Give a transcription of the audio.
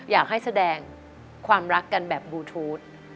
อยากให้แสดงความรักกันแบบบลูทูธ